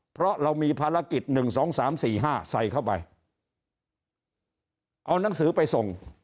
เพราะเรามีภารกิจ๑๒๓๔๕ใส่เข้าไปเอานังสือไปส่ง